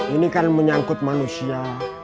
ini kan menyangkut manusia